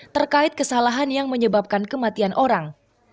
terkait kesalahan yang menyebabkan kematian orang